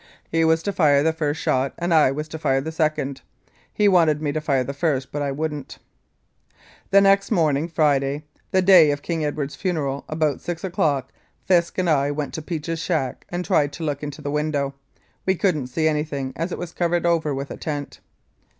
He was to fire the first shot and I was to fire the second. He wanted me to fire the first, but I wouldn't. "The next morning, Friday, the day of King Edward's funeral, about 6 o'clock, Fisk and I went to Peach's shack and tried to look into the window. We couldn't see anything as it was covered over with a tent."